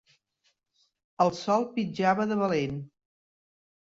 El sol pitjava de valent.